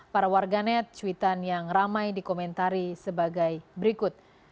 para warganet cuitan yang ramai dikomentari sebagai berikut